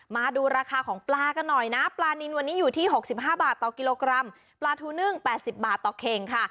มาดูราคาของปลากันหน่อยนะปลานินวันนี้อยู่ที่๖๕บาทต่อกิโลกรัมปลาทูนึ่ง๘๐บาทต่อเข่งค่ะ